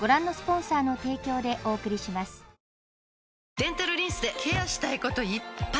デンタルリンスでケアしたいこといっぱい！